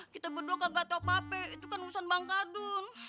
kita berdoa gak tau apa apa itu kan urusan bang kadun